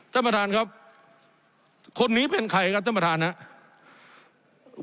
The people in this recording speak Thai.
ท่านประธานครับคนนี้เป็นใครครับท่านประธานครับ